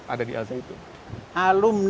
ada di azzaytun